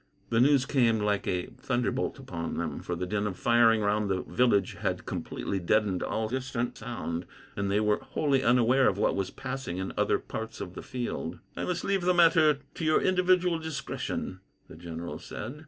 The news came like a thunderbolt upon them, for the din of firing round the village had completely deadened all distant sound, and they were wholly unaware of what was passing in other parts of the field. "I must leave the matter to your individual discretion," the general said.